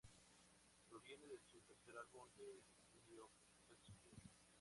Proviene de su tercer álbum de estudio, "Passenger".